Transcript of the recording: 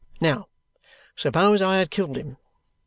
Now, suppose I had killed him.